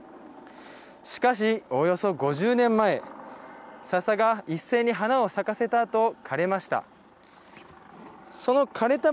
しかし、およそ５０年前笹が一斉に花を咲かせたあとかれました。